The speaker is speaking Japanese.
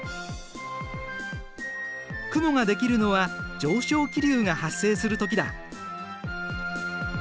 雲ができるのは上昇気流が発生する時だ。